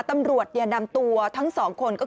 ตำรวจนำตัวทั้งสองคนก็คือ